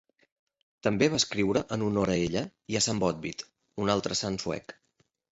També va escriure en honor a ella i a Sant Botvid, un altre sant suec.